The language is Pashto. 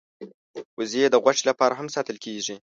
وزې د غوښې لپاره هم ساتل کېږي